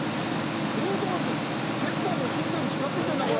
報道陣、結構、無神経に近づいてんな、これ。